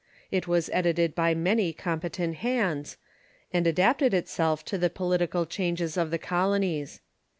It was edited by many competent hands, and adapted itself to the political changes of the colonies.